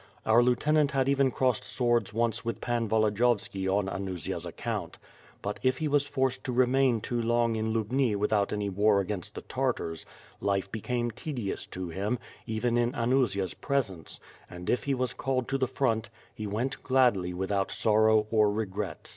Our Lieutenant had even crossed swords once with Pan Volodiyovski on Anusia's account. But if he was forced to remain too long in Lubni without any war against the Tartars, life became tedious to him, even in Anusia's presence, and if he was called to the front, he went gladly without sorrow or regret.